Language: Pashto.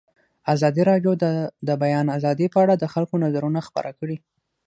ازادي راډیو د د بیان آزادي په اړه د خلکو نظرونه خپاره کړي.